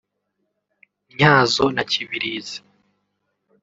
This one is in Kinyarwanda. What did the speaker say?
Ntyazo na Kibirizi